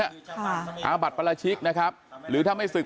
อาบัติประราชิกนะครับหรือถ้าไม่ศึก